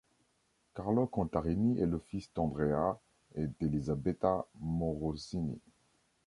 Carlo Contarini est le fils d'Andrea et d'Elisabetta Morosini.